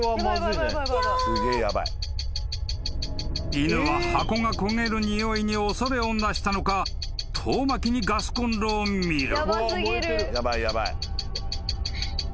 ［犬は箱が焦げるにおいに恐れをなしたのか遠巻きにガスこんろを見る］